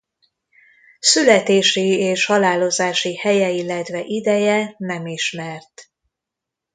Születési és halálozási helye illetve ideje nem ismert.